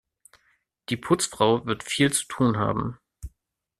Die Putzfrau wird viel zu tun haben.